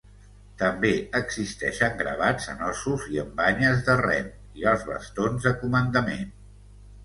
També existeixen gravats en ossos i en banyes de ren i als bastons de comandament.